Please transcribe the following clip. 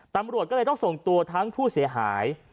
ตำรวจก็เลยต้องส่งตัวทั้งผู้เสียหาย